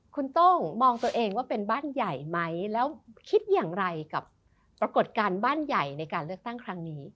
คุณโต้งมองตัวเองว่าเป็นบ้านใหญ่ไหมแล้วคิดอย่างไรกับปรากฏการณ์บ้านใหญ่ในการเลือกตั้งครั้งนี้